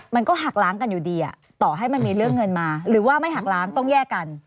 มันก็หักล้างกันอยู่ดีต่อให้มันมีเรื่องเงินมาหรือว่าไม่หักล้างต้องแยกกัน